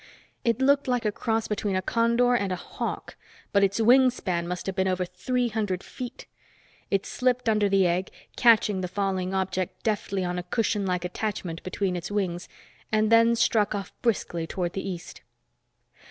It looked like a cross between a condor and a hawk, but its wing span must have been over three hundred feet. It slipped under the egg, catching the falling object deftly on a cushion like attachment between its wings, and then struck off briskly toward the east.